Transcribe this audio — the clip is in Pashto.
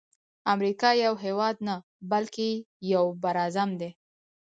امریکا یو هیواد نه بلکی یو بر اعظم دی.